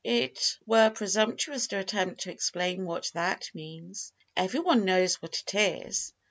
It were presumptuous to attempt to explain what that means. Everyone knows what it is.